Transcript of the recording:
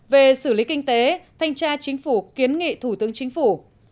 về xử lý kinh tế thanh tra chính phủ kiến nghị thủ tướng chính phủ